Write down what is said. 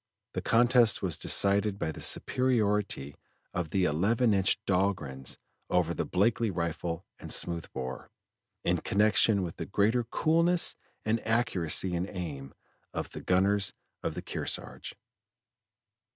The contest was decided by the superiority of the eleven inch Dahlgrens over the Blakely rifle and smooth bore, in connection with the greater coolness and accuracy in aim of the gunners of the Kearsarge.